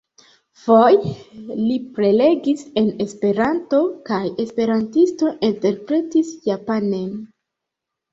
Foje li prelegis en Esperanto, kaj esperantisto interpretis japanen.